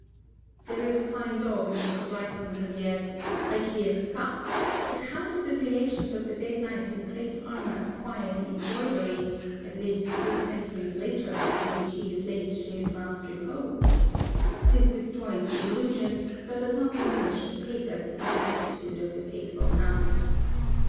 There is a fine dog in Mr. Briton Riviere's "Requiescat," but how did the relations of the dead knight in plate armour acquire the embroidery, at least three centuries later, on which he is laid to his last repose? This destroys the illusion, but does not diminish the pathos in the attitude of the faithful hound.